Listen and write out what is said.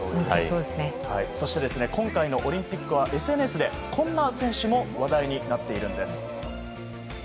そして、今回のオリンピックはＳＮＳでこんな選手も話題になっているんです。